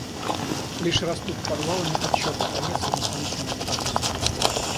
Лишь растут подвалами отчеты, Конец ознакомительного фрагмента.